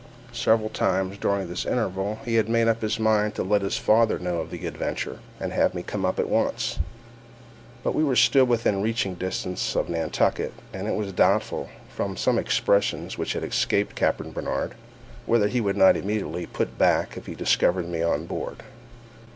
Several times during this interval he had made up his mind to let his father know of the adventure, and have me come up at once; but we were still within reaching distance of Nantucket, and it was doubtful, from some expressions which had escaped Captain Barnard, whether he would not immediately put back if he discovered me to be on board.